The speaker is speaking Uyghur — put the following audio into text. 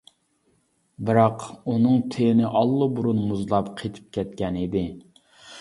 بىراق ئۇنىڭ تېنى ئاللىبۇرۇن مۇزلاپ قېتىپ كەتكەن ئىدى.